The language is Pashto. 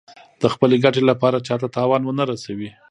د خپلې ګټې لپاره چا ته تاوان ونه رسوي.